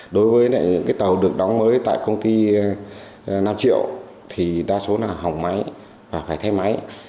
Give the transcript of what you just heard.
đối với cái tàu được đóng mới tại công ty năm triệu thì đa số là hỏng máy và phải thay máy